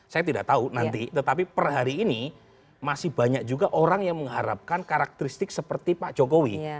saya tidak tahu nanti tetapi per hari ini masih banyak juga orang yang mengharapkan karakteristik seperti pak jokowi